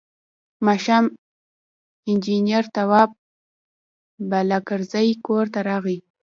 ماښام انجنیر تواب بالاکرزی کور ته راغی.